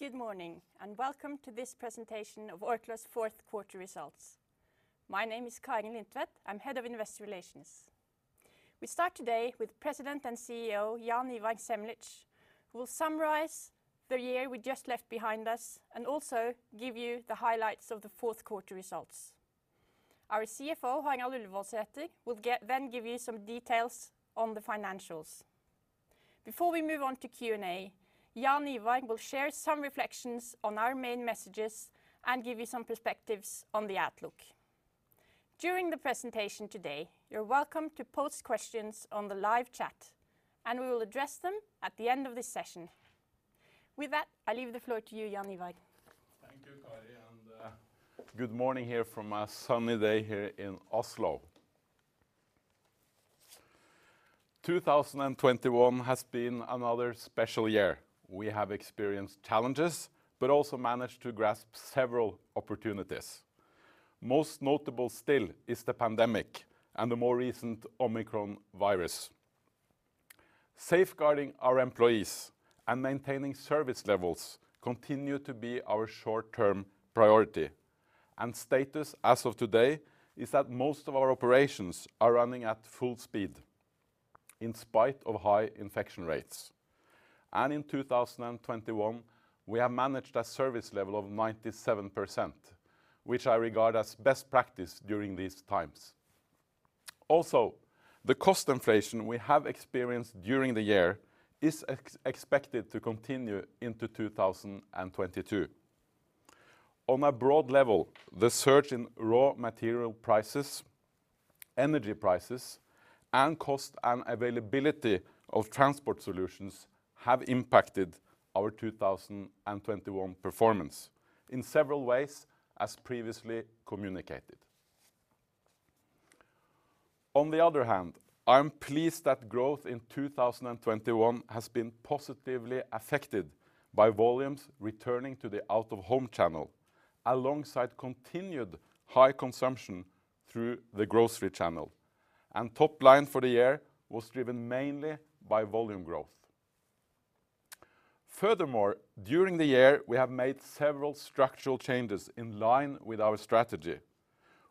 Good morning, and welcome to this presentation of Orkla's fourth quarter results. My name is Kari Lindtvedt. I'm Head of Investor Relations. We start today with President and CEO, Jaan Ivar Semlitsch, who will summarize the year we just left behind us and also give you the highlights of the fourth quarter results. Our CFO, Harald Ullevoldsæter, will give you some details on the financials. Before we move on to Q&A, Jaan Ivar will share some reflections on our main messages and give you some perspectives on the outlook. During the presentation today, you're welcome to post questions on the live chat, and we will address them at the end of this session. With that, I leave the floor to you, Jaan Ivar. Thank you, Karin, and good morning here from a sunny day here in Oslo. 2021 has been another special year. We have experienced challenges, but also managed to grasp several opportunities. Most notable still is the pandemic and the more recent Omicron virus. Safeguarding our employees and maintaining service levels continue to be our short-term priority, and status as of today is that most of our operations are running at full speed in spite of high infection rates. In 2021, we have managed a service level of 97%, which I regard as best practice during these times. The cost inflation we have experienced during the year is expected to continue into 2022. On a broad level, the surge in raw material prices, energy prices, and cost and availability of transport solutions have impacted our 2021 performance in several ways as previously communicated. On the other hand, I am pleased that growth in 2021 has been positively affected by volumes returning to the out-of-home channel alongside continued high consumption through the grocery channel. Top line for the year was driven mainly by volume growth. Furthermore, during the year, we have made several structural changes in line with our strategy.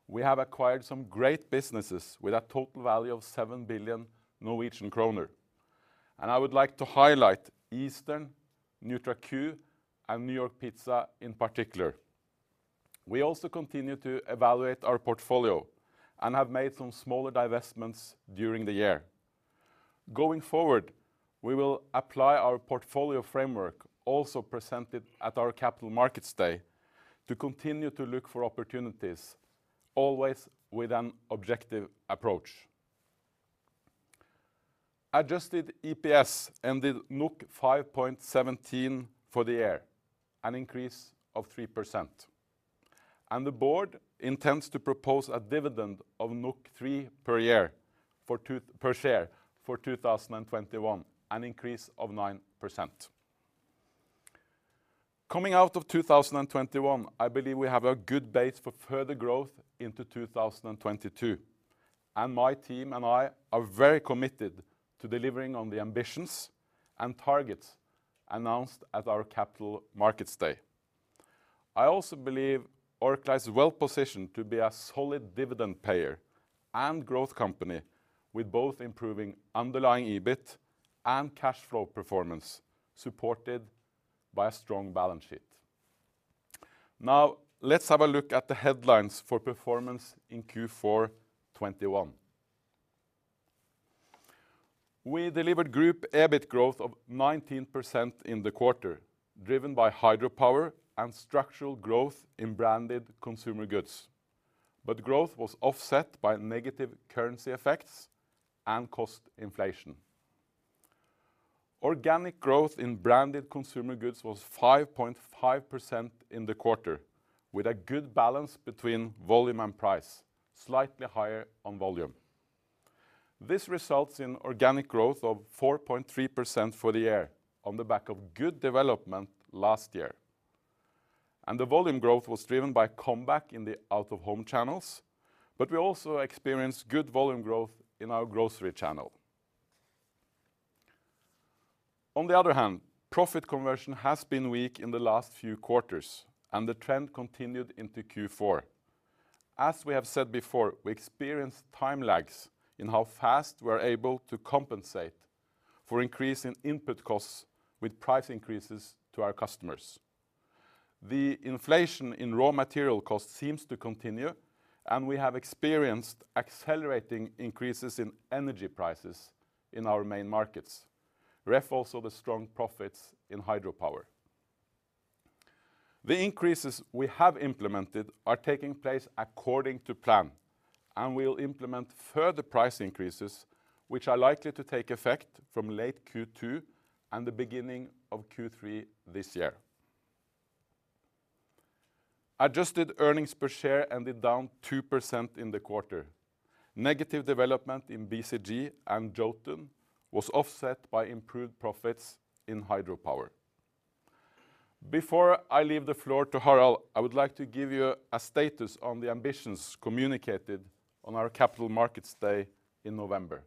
We have acquired some great businesses with a total value of 7 billion Norwegian kroner, and I would like to highlight Eastern, NutraQ, and New York Pizza in particular. We also continue to evaluate our portfolio and have made some smaller divestments during the year. Going forward, we will apply our portfolio framework, also presented at our Capital Markets Day, to continue to look for opportunities, always with an objective approach. Adjusted EPS ended 5.17 for the year, an increase of 3%, and the board intends to propose a dividend of 3 per share for 2021, an increase of 9%. Coming out of 2021, I believe we have a good base for further growth into 2022, and my team and I are very committed to delivering on the ambitions and targets announced at our Capital Markets Day. I also believe Orkla is well-positioned to be a solid dividend payer and growth company with both improving underlying EBIT and cash flow performance, supported by a strong balance sheet. Now let's have a look at the headlines for performance in Q4 2021. We delivered group EBIT growth of 19% in the quarter, driven by Hydro Power and structural growth in Branded Consumer Goods, but growth was offset by negative currency effects and cost inflation. Organic growth in Branded Consumer Goods was 5.5% in the quarter, with a good balance between volume and price, slightly higher on volume. This results in organic growth of 4.3% for the year on the back of good development last year. The volume growth was driven by comeback in the out-of-home channels, but we also experienced good volume growth in our grocery channel. On the other hand, profit conversion has been weak in the last few quarters, and the trend continued into Q4. As we have said before, we experienced time lags in how fast we're able to compensate for increase in input costs with price increases to our customers. The inflation in raw material costs seems to continue, and we have experienced accelerating increases in energy prices in our main markets, ref also the strong profits in Hydro Power. The increases we have implemented are taking place according to plan, and we'll implement further price increases, which are likely to take effect from late Q2 and the beginning of Q3 this year. Adjusted earnings per share ended down 2% in the quarter. Negative development in BCG and Jotun was offset by improved profits in Hydro Power. Before I leave the floor to Harald, I would like to give you a status on the ambitions communicated on our Capital Markets Day in November.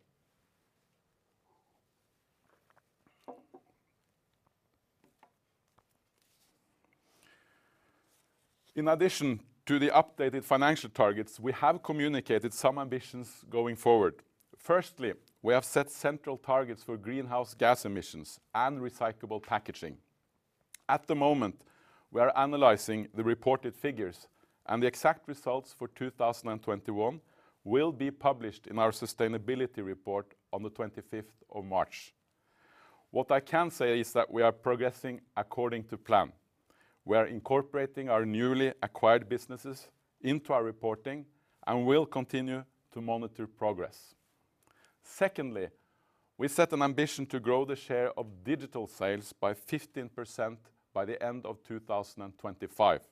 In addition to the updated financial targets, we have communicated some ambitions going forward. Firstly, we have set central targets for greenhouse gas emissions and recyclable packaging. At the moment, we are analyzing the reported figures, and the exact results for 2021 will be published in our sustainability report on the 25th of March. What I can say is that we are progressing according to plan. We are incorporating our newly acquired businesses into our reporting and will continue to monitor progress. Secondly, we set an ambition to grow the share of digital sales by 15% by the end of 2025.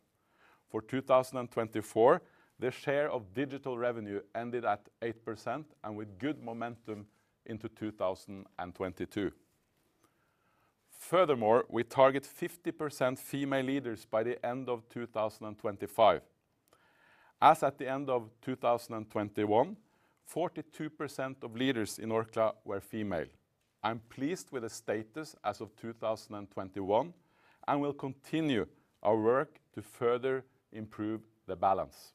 For 2024, the share of digital revenue ended at 8% and with good momentum into 2022. Furthermore, we target 50% female leaders by the end of 2025. As at the end of 2021, 42% of leaders in Orkla were female. I'm pleased with the status as of 2021 and will continue our work to further improve the balance.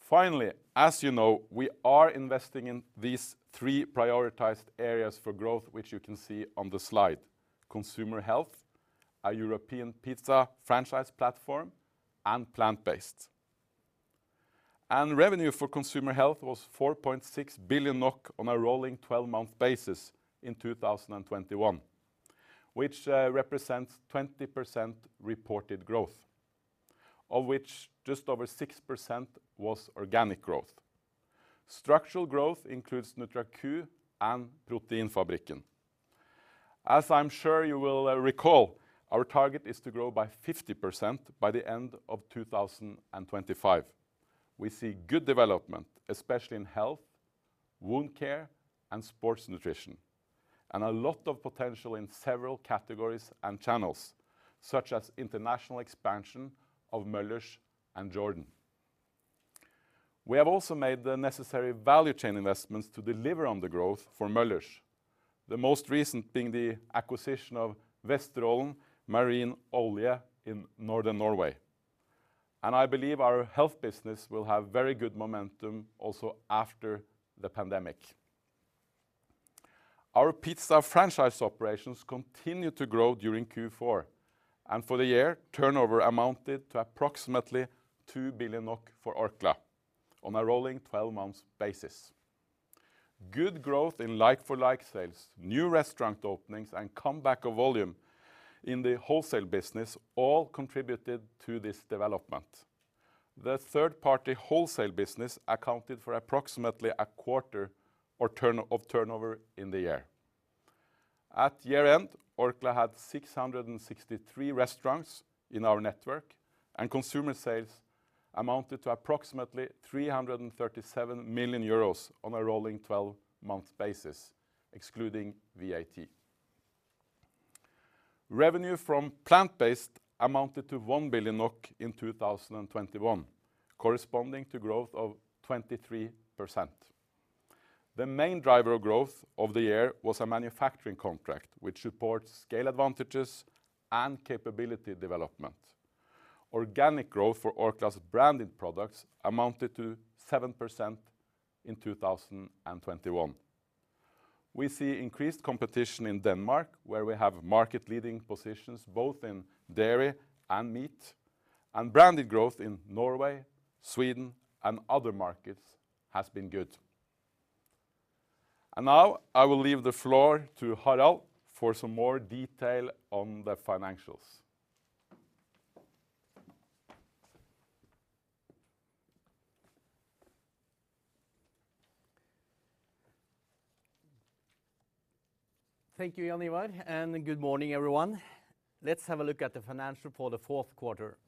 Finally, as you know, we are investing in these three prioritized areas for growth, which you can see on the slide, consumer health, our European pizza franchise platform, and plant-based. Revenue for consumer health was 4.6 billion NOK on a rolling twelve-month basis in 2021, which represents 20% reported growth, of which just over 6% was organic growth. Structural growth includes NutraQ and Proteinfabrikken. As I'm sure you will recall, our target is to grow by 50% by the end of 2025. We see good development, especially in health, wound care, and sports nutrition, and a lot of potential in several categories and channels, such as international expansion of Möller's and Jordan. We have also made the necessary value chain investments to deliver on the growth for Möller's, the most recent being the acquisition of Vesteraalens Marine Olje in northern Norway. I believe our health business will have very good momentum also after the pandemic. Our pizza franchise operations continued to grow during Q4, and for the year, turnover amounted to approximately 2 billion NOK for Orkla on a rolling twelve-month basis. Good growth in like-for-like sales, new restaurant openings, and comeback of volume in the wholesale business all contributed to this development. The third-party wholesale business accounted for approximately a quarter of turnover in the year. At year-end, Orkla had 663 restaurants in our network, and consumer sales amounted to approximately 337 million euros on a rolling twelve-month basis, excluding VAT. Revenue from plant-based amounted to 1 billion NOK in 2021, corresponding to growth of 23%. The main driver of growth of the year was a manufacturing contract which supports scale advantages and capability development. Organic growth for Orkla's branded products amounted to 7% in 2021. We see increased competition in Denmark, where we have market-leading positions both in dairy and meat, and branded growth in Norway, Sweden, and other markets has been good. Now I will leave the floor to Harald for some more detail on the financials. Thank you, Jaan Ivar, and good morning, everyone. Let's have a look at the financials for the fourth quarter.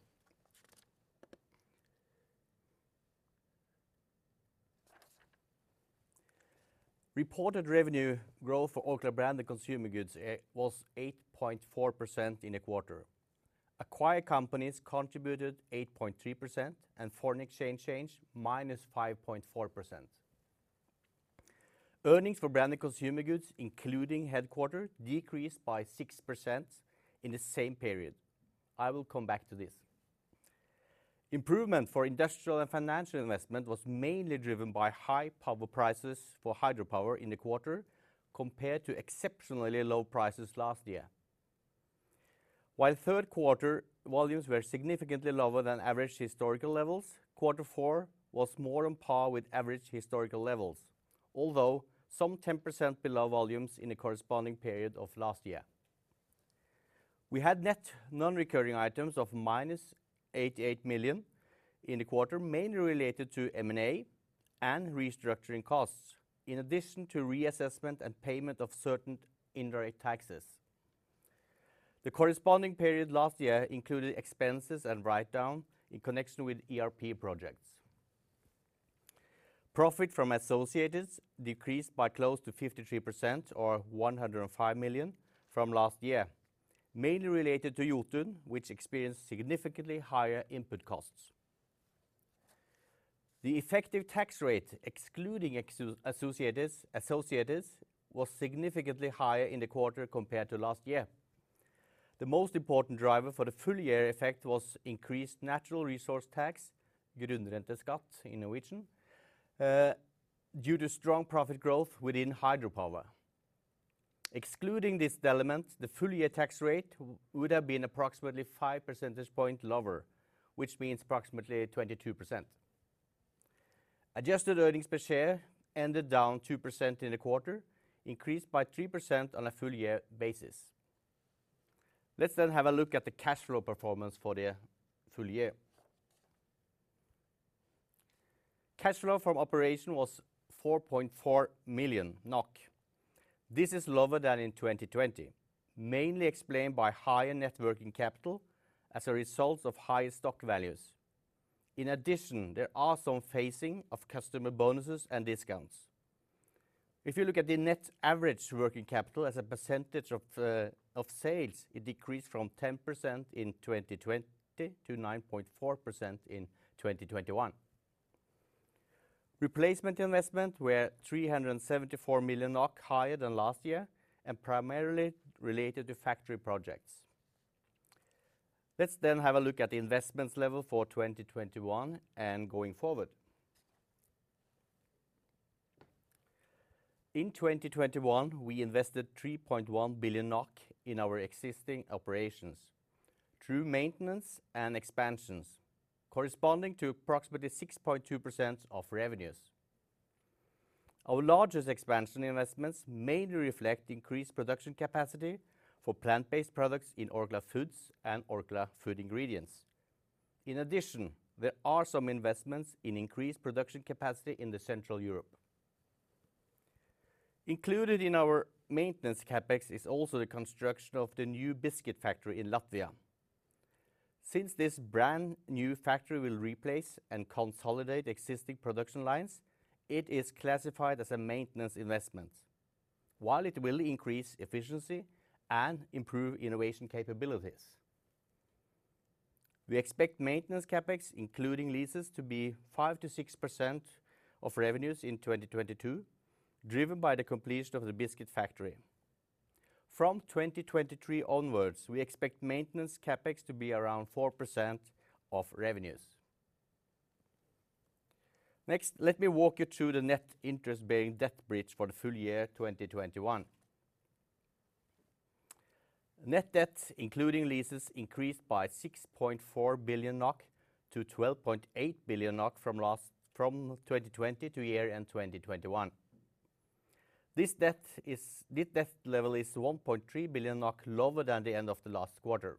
Reported revenue growth for Orkla Branded Consumer Goods was 8.4% in the quarter. Acquired companies contributed 8.3% and foreign exchange change -5.4%. Earnings for Branded Consumer Goods, including headquarters, decreased by 6% in the same period. I will come back to this. Improvement for industrial and financial investment was mainly driven by high power prices for hydropower in the quarter compared to exceptionally low prices last year. While third quarter volumes were significantly lower than average historical levels, Q4 was more on par with average historical levels, although some 10% below volumes in the corresponding period of last year. We had net non-recurring items of -88 million in the quarter, mainly related to M&A and restructuring costs, in addition to reassessment and payment of certain indirect taxes. The corresponding period last year included expenses and write-down in connection with ERP projects. Profit from associates decreased by close to 53% or 105 million from last year, mainly related to Jotun, which experienced significantly higher input costs. The effective tax rate, excluding associates, was significantly higher in the quarter compared to last year. The most important driver for the full year effect was increased natural resource tax, grunnrenteskatt in Norwegian, due to strong profit growth within hydropower. Excluding this element, the full year tax rate would have been approximately 5 percentage points lower, which means approximately 22%. Adjusted earnings per share ended down 2% in the quarter, increased by 3% on a full year basis. Let's then have a look at the cash flow performance for the full year. Cash flow from operations was 4.4 million NOK. This is lower than in 2020, mainly explained by higher net working capital as a result of higher stock values. In addition, there are some phasing of customer bonuses and discounts. If you look at the net average working capital as a percentage of sales, it decreased from 10% in 2020 to 9.4% in 2021. Replacement investments were 374 million NOK higher than last year and primarily related to factory projects. Let's then have a look at the investments level for 2021 and going forward. In 2021, we invested 3.1 billion NOK in our existing operations through maintenance and expansions corresponding to approximately 6.2% of revenues. Our largest expansion investments mainly reflect increased production capacity for plant-based products in Orkla Foods and Orkla Food Ingredients. In addition, there are some investments in increased production capacity in Central Europe. Included in our maintenance CapEx is also the construction of the new biscuit factory in Latvia. Since this brand-new factory will replace and consolidate existing production lines, it is classified as a maintenance investment while it will increase efficiency and improve innovation capabilities. We expect maintenance CapEx, including leases, to be 5%-6% of revenues in 2022, driven by the completion of the biscuit factory. From 2023 onwards, we expect maintenance CapEx to be around 4% of revenues. Next, let me walk you through the net interest-bearing debt bridge for the full year 2021. Net debt, including leases, increased by 6.4 billion NOK to 12.8 billion NOK from 2020 to year-end 2021. This debt level is 1.3 billion NOK lower than the end of the last quarter.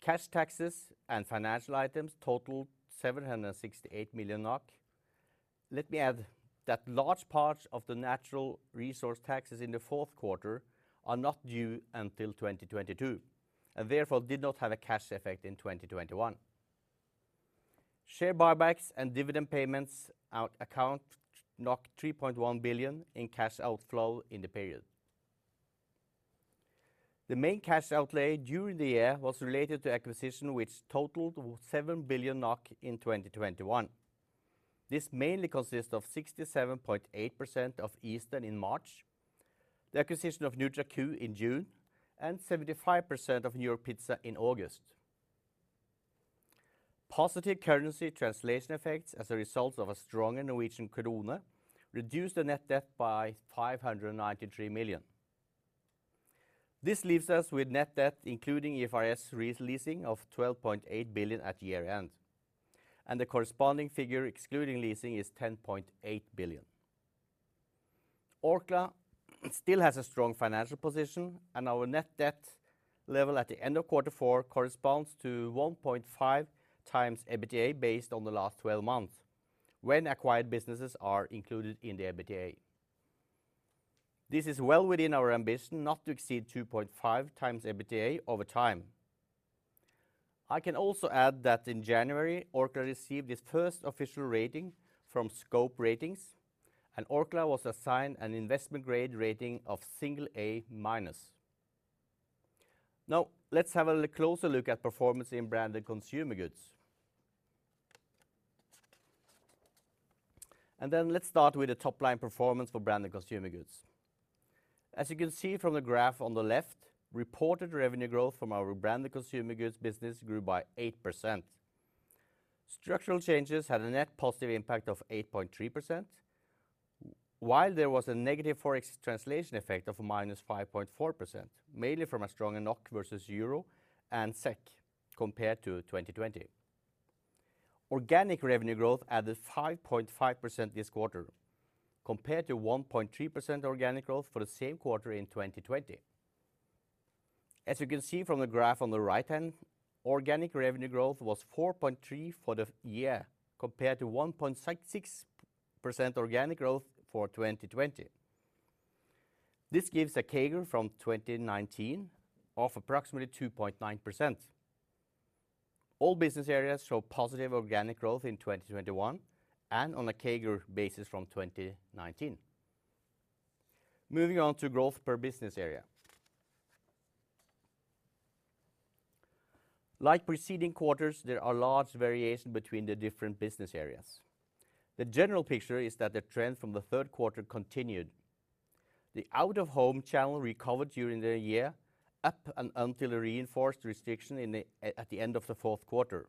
Cash taxes and financial items totaled 768 million NOK. Let me add that large parts of the natural resource taxes in the fourth quarter are not due until 2022, and therefore did not have a cash effect in 2021. Share buybacks and dividend payments account for 3.1 billion in cash outflow in the period. The main cash outlay during the year was related to acquisition which totaled 7 billion NOK in 2021. This mainly consists of 67.8% of Eastern in March, the acquisition of NutraQ in June, and 75% of European Pizza in August. Positive currency translation effects as a result of a stronger Norwegian krone reduced the net debt by 593 million. This leaves us with net debt, including IFRS 16 leasing of 12.8 billion at year-end, and the corresponding figure excluding leasing is 10.8 billion. Orkla still has a strong financial position, and our net debt level at the end of Q4 corresponds to 1.5 times EBITDA based on the last twelve months when acquired businesses are included in the EBITDA. This is well within our ambition not to exceed 2.5 times EBITDA over time. I can also add that in January, Orkla received its first official rating from Scope Ratings and Orkla was assigned an investment grade rating of A-. Now let's have a closer look at performance in Branded Consumer Goods. Let's start with the top-line performance for Branded Consumer Goods. As you can see from the graph on the left, reported revenue growth from our Branded Consumer Goods business grew by 8%. Structural changes had a net positive impact of 8.3%, while there was a negative ForEx translation effect of -5.4%, mainly from a stronger NOK versus euro and SEK compared to 2020. Organic revenue growth added 5.5% this quarter compared to 1.3% organic growth for the same quarter in 2020. As you can see from the graph on the right-hand, organic revenue growth was 4.3% for the year compared to 1.66% organic growth for 2020. This gives a CAGR from 2019 of approximately 2.9%. All business areas show positive organic growth in 2021 and on a CAGR basis from 2019. Moving on to growth per business area. Like preceding quarters, there are large variation between the different business areas. The general picture is that the trend from the third quarter continued. The out-of-home channel recovered during the year, up and until the reinforced restriction at the end of the fourth quarter.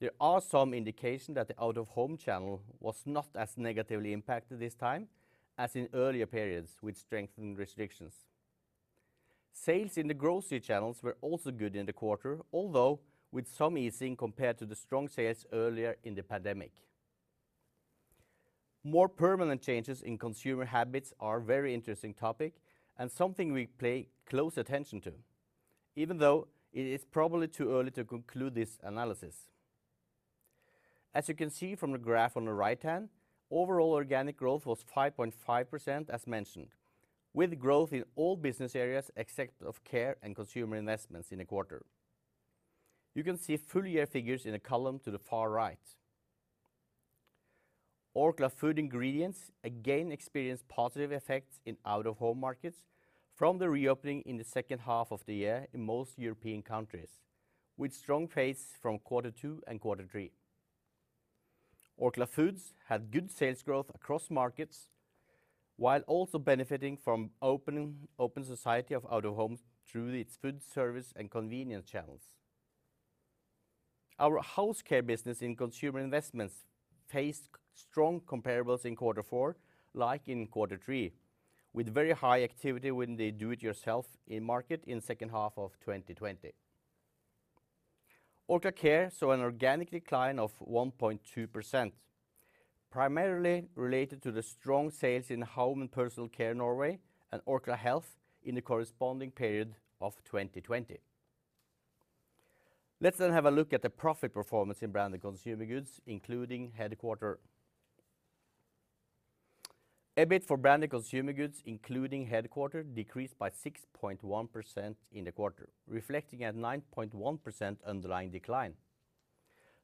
There are some indication that the out-of-home channel was not as negatively impacted this time as in earlier periods, with strengthened restrictions. Sales in the grocery channels were also good in the quarter, although with some easing compared to the strong sales earlier in the pandemic. More permanent changes in consumer habits are a very interesting topic and something we pay close attention to, even though it is probably too early to conclude this analysis. As you can see from the graph on the right hand, overall organic growth was 5.5%, as mentioned, with growth in all business areas except Orkla Care and Orkla Consumer Investments in the quarter. You can see full year figures in the column to the far right. Orkla Food Ingredients again experienced positive effects in out-of-home markets from the reopening in the second half of the year in most European countries, with strong pace from quarter two and quarter three. Orkla Foods had good sales growth across markets while also benefiting from reopening of society out-of-home through its food service and convenience channels. Our House Care business in Consumer Investments faced strong comparables in quarter four, like in quarter three, with very high activity within the do it yourself end market in second half of 2020. Orkla Care saw an organic decline of 1.2%, primarily related to the strong sales in Home and Personal Care Norway and Orkla Health in the corresponding period of 2020. Let's have a look at the profit performance in Branded Consumer Goods, including headquarters. EBIT for Branded Consumer Goods, including headquarters, decreased by 6.1% in the quarter, reflecting a 9.1% underlying decline.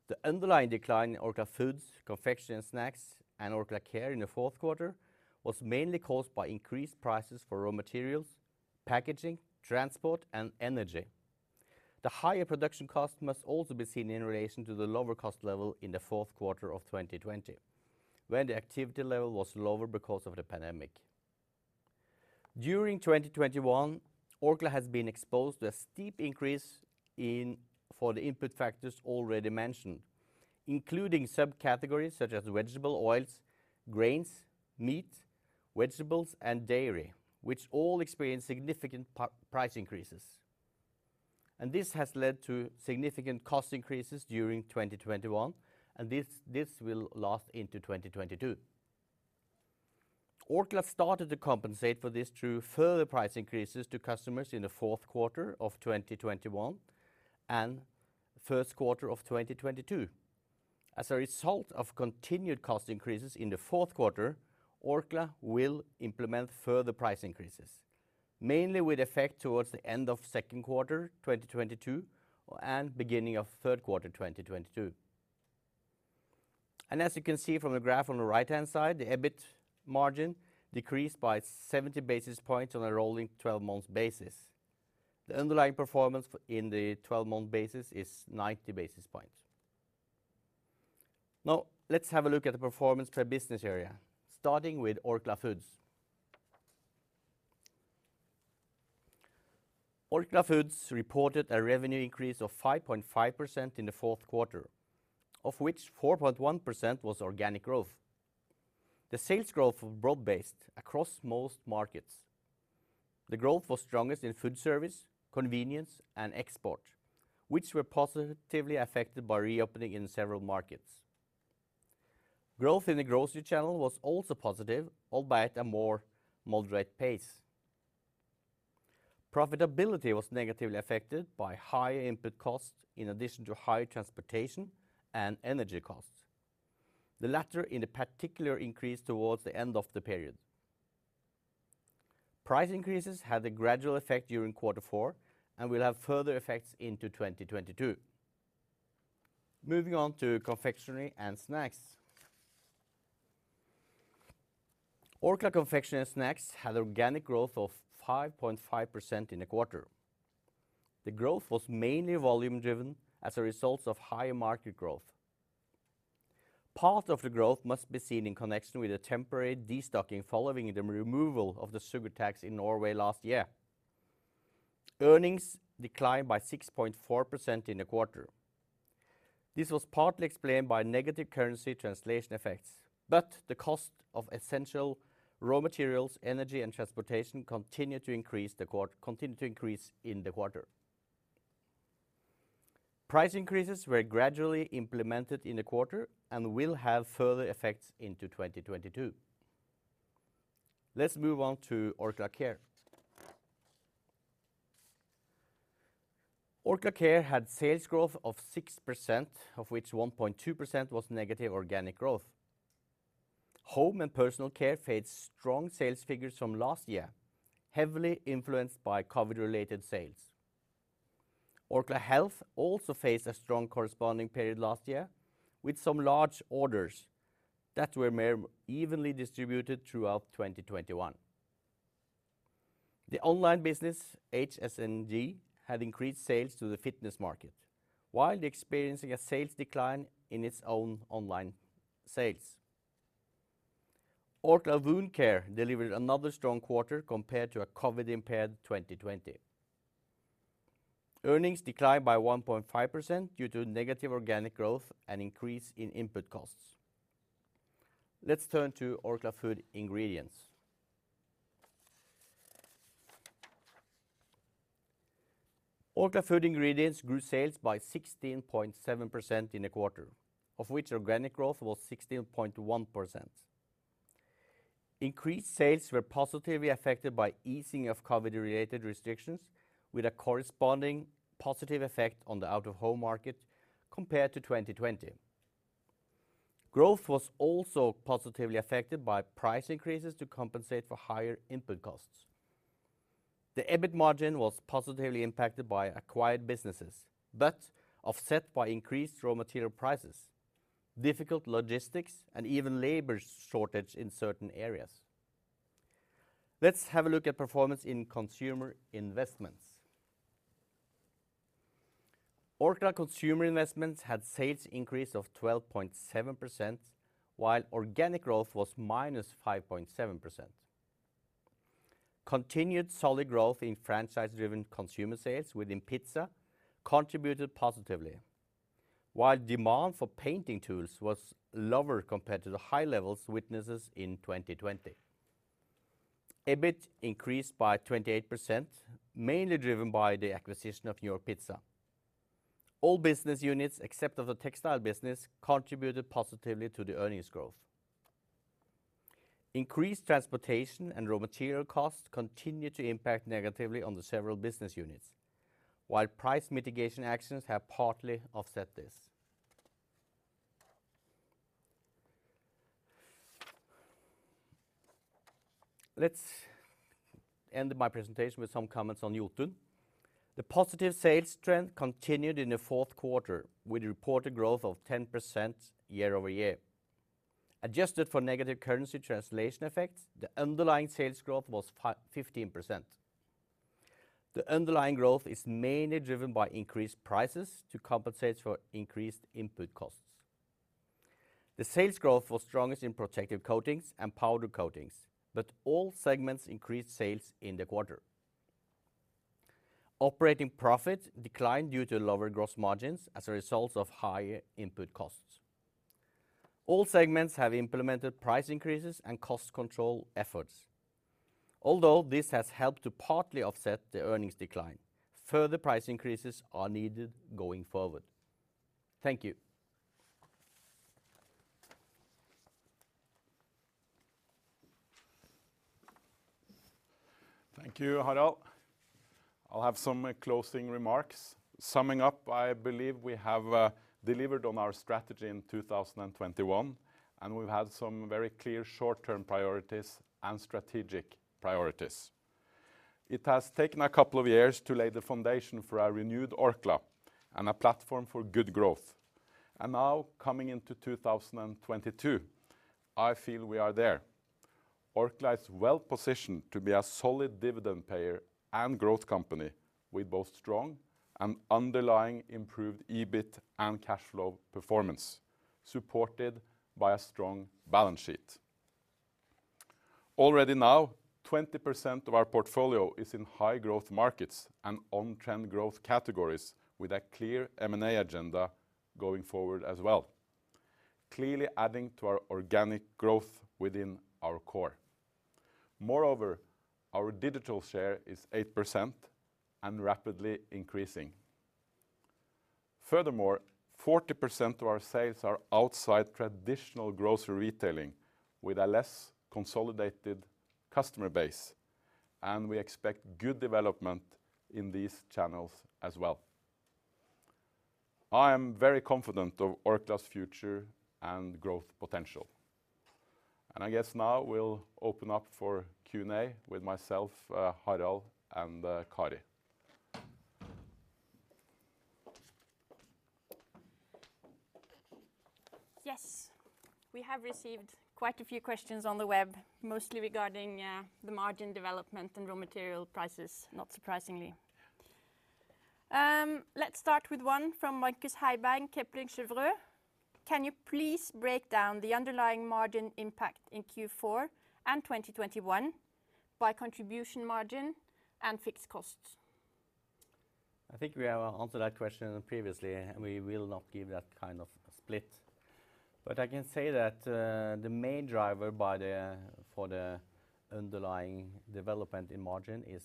The underlying decline in Orkla Foods, Orkla Confectionery & Snacks, and Orkla Care in the fourth quarter was mainly caused by increased prices for raw materials, packaging, transport, and energy. The higher production cost must also be seen in relation to the lower cost level in the fourth quarter of 2020, when the activity level was lower because of the pandemic. During 2021, Orkla has been exposed to a steep increase in the input factors already mentioned, including subcategories such as vegetable oils, grains, meat, vegetables, and dairy, which all experienced significant price increases. This has led to significant cost increases during 2021, and this will last into 2022. Orkla started to compensate for this through further price increases to customers in the fourth quarter of 2021 and first quarter of 2022. As a result of continued cost increases in the fourth quarter, Orkla will implement further price increases, mainly with effect towards the end of second quarter 2022 and beginning of third quarter 2022. As you can see from the graph on the right-hand side, the EBIT margin decreased by 70 basis points on a rolling 12-month basis. The underlying performance in the 12-month basis is 90 basis points. Now let's have a look at the performance per business area, starting with Orkla Foods. Orkla Foods reported a revenue increase of 5.5% in the fourth quarter, of which 4.1% was organic growth. The sales growth was broad-based across most markets. The growth was strongest in food service, convenience, and export, which were positively affected by reopening in several markets. Growth in the grocery channel was also positive, albeit at a more moderate pace. Profitability was negatively affected by higher input costs in addition to higher transportation and energy costs, the latter in particular increased towards the end of the period. Price increases had a gradual effect during quarter four and will have further effects into 2022. Moving on to Confectionery & Snacks. Orkla Confectionery & Snacks had organic growth of 5.5% in the quarter. The growth was mainly volume driven as a result of higher market growth. Part of the growth must be seen in connection with the temporary destocking following the removal of the sugar tax in Norway last year. Earnings declined by 6.4% in the quarter. This was partly explained by negative currency translation effects, but the cost of essential raw materials, energy, and transportation continued to increase in the quarter. Price increases were gradually implemented in the quarter and will have further effects into 2022. Let's move on to Orkla Care. Orkla Care had sales growth of 6%, of which 1.2% was negative organic growth. Home and personal care faced strong sales figures from last year, heavily influenced by COVID-related sales. Orkla Health also faced a strong corresponding period last year, with some large orders that were more evenly distributed throughout 2021. The online business, HSNG, had increased sales to the fitness market while experiencing a sales decline in its own online sales. Orkla Wound Care delivered another strong quarter compared to a COVID-impaired 2020. Earnings declined by 1.5% due to negative organic growth and increase in input costs. Let's turn to Orkla Food Ingredients. Orkla Food Ingredients grew sales by 16.7% in the quarter, of which organic growth was 16.1%. Increased sales were positively affected by easing of COVID-related restrictions, with a corresponding positive effect on the out-of-home market compared to 2020. Growth was also positively affected by price increases to compensate for higher input costs. The EBIT margin was positively impacted by acquired businesses but offset by increased raw material prices, difficult logistics, and even labor shortage in certain areas. Let's have a look at performance in Consumer Investments. Orkla Consumer Investments had sales increase of 12.7%, while organic growth was -5.7%. Continued solid growth in franchise-driven consumer sales within Pizza contributed positively, while demand for painting tools was lower compared to the high levels witnessed in 2020. EBIT increased by 28%, mainly driven by the acquisition of New York Pizza. All business units, except for the textile business, contributed positively to the earnings growth. Increased transportation and raw material costs continued to impact negatively on several business units, while price mitigation actions have partly offset this. Let's end my presentation with some comments on Jotun. The positive sales trend continued in the fourth quarter with reported growth of 10% year-over-year. Adjusted for negative currency translation effects, the underlying sales growth was 15%. The underlying growth is mainly driven by increased prices to compensate for increased input costs. The sales growth was strongest in protective coatings and powder coatings, but all segments increased sales in the quarter. Operating profit declined due to lower gross margins as a result of higher input costs. All segments have implemented price increases and cost control efforts. Although this has helped to partly offset the earnings decline, further price increases are needed going forward. Thank you. Thank you, Harald. I'll have some closing remarks. Summing up, I believe we have delivered on our strategy in 2021, and we've had some very clear short-term priorities and strategic priorities. It has taken a couple of years to lay the foundation for our renewed Orkla and a platform for good growth. Now, coming into 2022, I feel we are there. Orkla is well-positioned to be a solid dividend payer and growth company with both strong and underlying improved EBIT and cash flow performance, supported by a strong balance sheet. Already now, 20% of our portfolio is in high growth markets and on trend growth categories with a clear M&A agenda going forward as well, clearly adding to our organic growth within our core. Moreover, our digital share is 8% and rapidly increasing. Furthermore, 40% of our sales are outside traditional grocery retailing with a less consolidated customer base, and we expect good development in these channels as well. I am very confident of Orkla's future and growth potential. I guess now we'll open up for Q&A with myself, Harald, and Kari. Yes. We have received quite a few questions on the web, mostly regarding the margin development and raw material prices, not surprisingly. Let's start with one from Markus Heiberg, Kepler Cheuvreux. Can you please break down the underlying margin impact in Q4 and 2021 by contribution margin and fixed costs? I think we have answered that question previously, and we will not give that kind of split. I can say that the main driver for the underlying development in margin is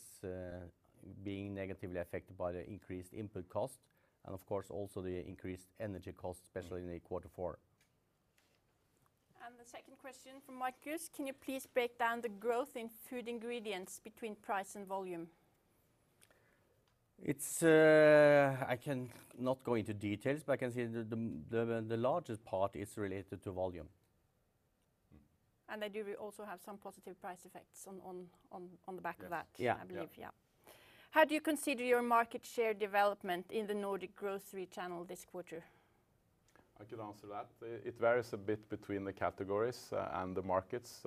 being negatively affected by the increased input cost and, of course, also the increased energy cost, especially in the quarter four. The second question from Markus: Can you please break down the growth in Food Ingredients between price and volume? I cannot go into details, but I can say the largest part is related to volume. Do we also have some positive price effects on the back of that? Yes. Yeah, yeah. I believe. Yeah. How do you consider your market share development in the Nordic grocery channel this quarter? I could answer that. It varies a bit between the categories and the markets.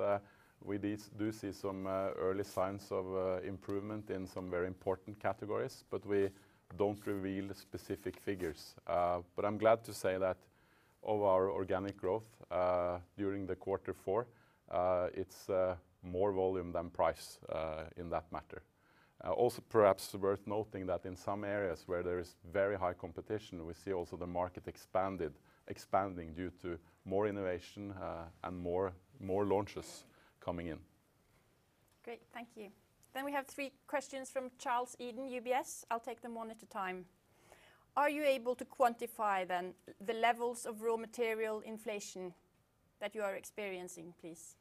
We do see some early signs of improvement in some very important categories, but we don't reveal the specific figures. I'm glad to say that of our organic growth during Q4, it's more volume than price in that matter. Also perhaps worth noting that in some areas where there is very high competition, we see also the market expanding due to more innovation and more launches coming in. Great. Thank you. Then we have three questions from Charles Eden, UBS. I'll take them one at a time. Are you able to quantify then the levels of raw material inflation that you are experiencing, please?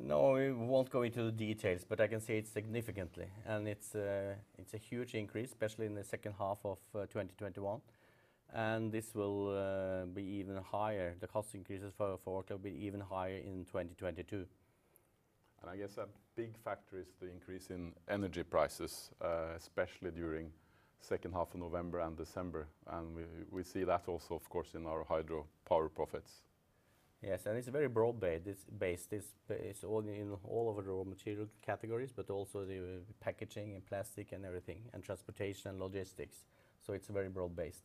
No, we won't go into the details, but I can say it's significantly, and it's a huge increase, especially in the second half of 2021, and this will be even higher. The cost increases for Orkla will be even higher in 2022. A big factor is the increase in energy prices, especially during second half of November and December, and we see that also, of course, in our Hydro Power profits. Yes, it's very broad-based. It's based all in, all over the raw material categories, but also the packaging and plastic and everything, and transportation and logistics. It's very broad-based.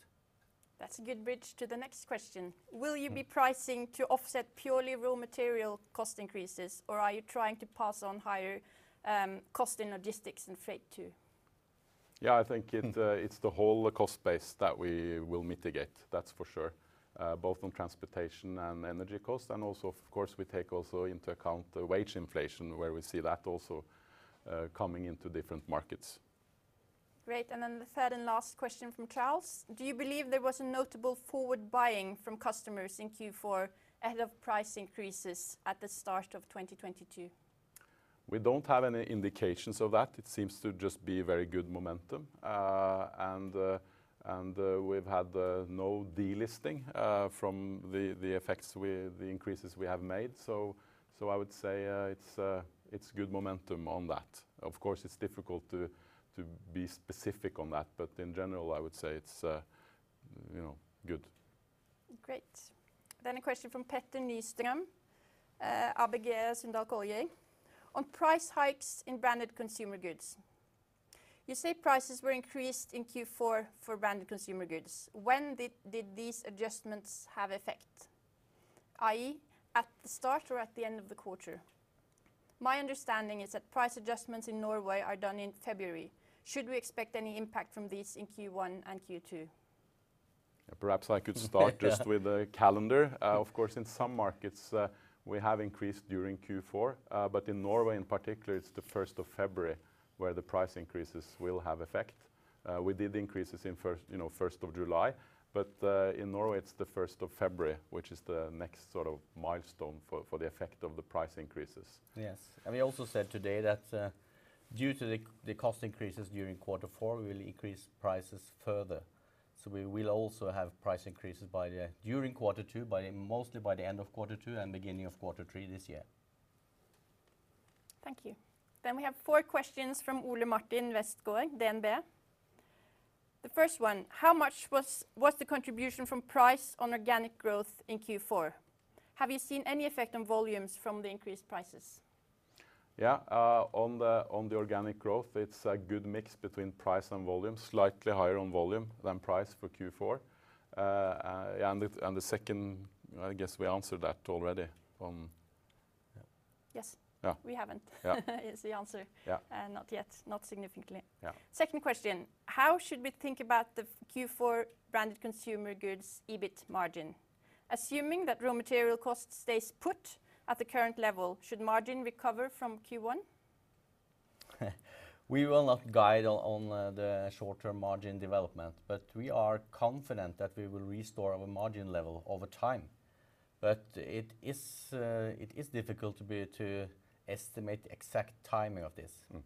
That's a good bridge to the next question. Mm. Will you be pricing to offset purely raw material cost increases, or are you trying to pass on higher costs in logistics and freight too? Yeah, it's the whole cost base that we will mitigate, that's for sure. Both on transportation and energy cost, and also of course, we take also into account the wage inflation where we see that also, coming into different markets. Great. The third and last question from Charles: Do you believe there was a notable forward buying from customers in Q4 ahead of price increases at the start of 2022? We don't have any indications of that. It seems to just be very good momentum. We've had no delisting from the effects with the increases we have made. So I would say it's good momentum on that. Of course, it's difficult to be specific on that, but in general, I would say it's good. Great. Then a question from Petter Nystrøm, ABG Sundal Collier. On price hikes in Branded Consumer Goods, you say prices were increased in Q4 for Branded Consumer Goods. When did these adjustments have effect, i.e., at the start or at the end of the quarter? My understanding is that price adjustments in Norway are done in February. Should we expect any impact from these in Q1 and Q2? Perhaps I could start just with the calendar. Of course, in some markets, we have increased during Q4, but in Norway in particular, it's the 1st of February where the price increases will have effect. We did increases, you know, 1st of July, but in Norway, it's the 1st of February, which is the next sort of milestone for the effect of the price increases. Yes, we also said today that, due to the cost increases during Q4, we'll increase prices further. We will also have price increases during Q2, mostly by the end of Q and beginning of Q3 this year. Thank you. We have four questions from Ole Martin Westgaard, DNB. The first one: How much was the contribution from price on organic growth in Q4? Have you seen any effect on volumes from the increased prices? Yeah, on the organic growth, it's a good mix between price and volume. Slightly higher on volume than price for Q4. The second, we answered that already. Yeah. Yes. Yeah. We haven't. Yeah. Is the answer. Yeah. Not yet. Not significantly. Yeah. Second question: How should we think about the Q4 Branded Consumer Goods EBIT margin? Assuming that raw material cost stays put at the current level, should margin recover from Q1? We will not guide on the short-term margin development, but we are confident that we will restore our margin level over time. It is difficult to estimate the exact timing of this. Mm.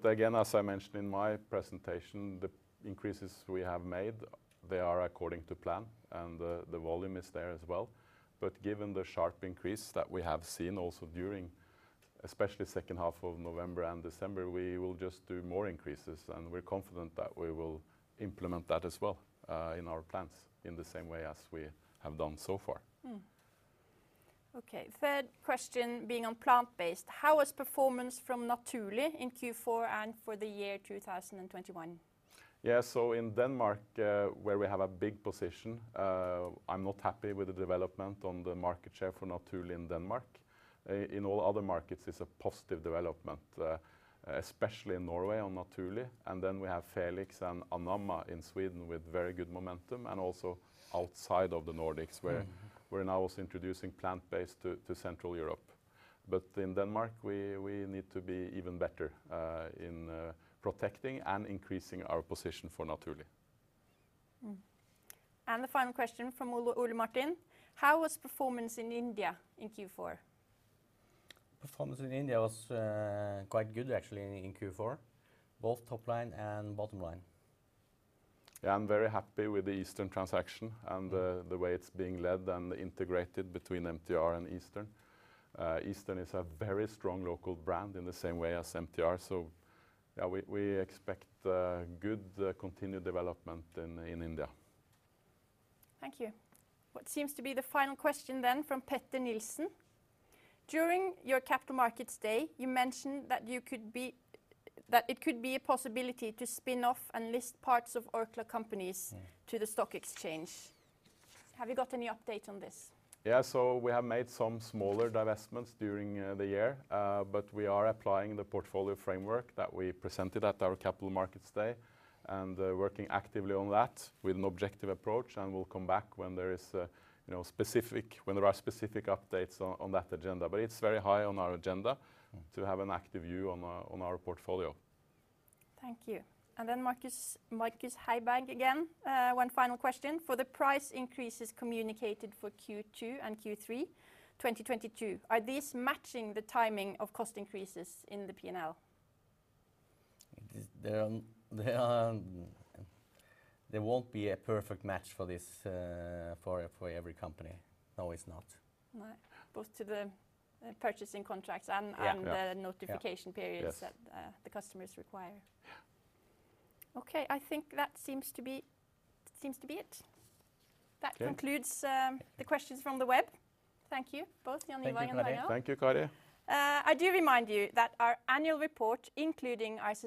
Mm. Again, as I mentioned in my presentation, the increases we have made, they are according to plan, and the volume is there as well. Given the sharp increase that we have seen also during especially second half of November and December, we will just do more increases, and we're confident that we will implement that as well, in our plans in the same way as we have done so far. Third question being on plant-based: How was performance from Naturli' in Q4 and for the year 2021? Yeah. In Denmark, where we have a big position, I'm not happy with the development on the market share for Naturli' in Denmark. In all other markets, it's a positive development, especially in Norway on Naturli'. We have Felix and Anamma in Sweden with very good momentum, and also outside of the Nordics, where we're now also introducing plant-based to Central Europe. In Denmark, we need to be even better in protecting and increasing our position for Naturli' The final question from Ole Martin. How was performance in India in Q4? Performance in India was quite good actually in Q4, both top line and bottom line. Yeah, I'm very happy with the Eastern transaction and the way it's being led and integrated between MTR and Eastern. Eastern is a very strong local brand in the same way as MTR. Yeah, we expect good continued development in India. Thank you. What seems to be the final question then from Peter Nielsen. During your Capital Markets Day, you mentioned that it could be a possibility to spin off and list parts of Orkla companies to the stock exchange. Have you got any update on this? We have made some smaller divestments during the year, but we are applying the portfolio framework that we presented at our Capital Markets Day, and working actively on that with an objective approach. We'll come back when there are specific updates on that agenda. It's very high on our agenda to have an active view on our portfolio. Thank you. Markus, Markus Heiberg again. One final question. For the price increases communicated for Q2 and Q3 2022, are these matching the timing of cost increases in the P&L? There won't be a perfect match for this, for every company. No, it's not. No. Both to the purchasing contracts and the notification periods that the customers require. Yeah. Okay. I think that seems to be it. Okay. That concludes the questions from the web. Thank you both, Jaan Ivar and Harald. Thank you, Kari. Thank you, Kari. I do remind you that our annual report, including our s-